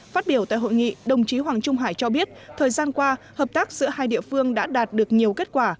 phát biểu tại hội nghị đồng chí hoàng trung hải cho biết thời gian qua hợp tác giữa hai địa phương đã đạt được nhiều kết quả